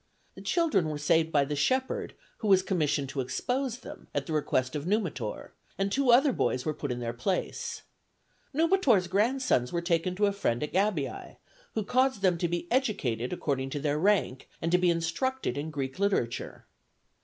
The children were saved by the shepherd who was commissioned to expose them, at the request of Numitor, and two other boys were put in their place. Numitor's grandsons were taken to a friend at Gabii, who caused them to be educated according to their rank, and to be instructed in Greek literature.